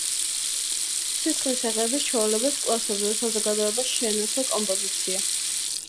სისხლის აღების ჩვეულებას კლასობრივ საზოგადოებაში შეენაცვლა კომპოზიცია.